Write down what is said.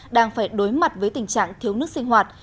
đang phải đối mặt với tình trạng thiếu nước sinh hoạt